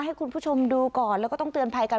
ให้คุณผู้ชมดูก่อนแล้วก็ต้องเตือนภัยกัน